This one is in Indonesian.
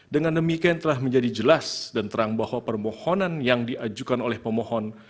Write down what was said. dengan demikian telah menjadi jelas dan terang bahwa permohonan yang diajukan oleh pemohon